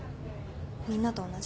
みんなと同じ。